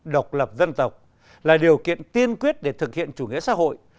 độc lập dân tộc là điều kiện tiên quyết để thực hiện chủ nghĩa xã hội